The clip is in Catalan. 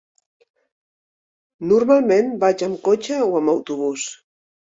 Normalment vaig amb cotxe o amb autobús.